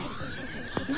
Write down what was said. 何？